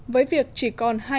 với việc chỉ còn hai năm